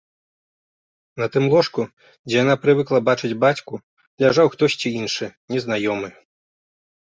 На тым ложку, дзе яна прывыкла бачыць бацьку, ляжаў хтосьці іншы, незнаёмы.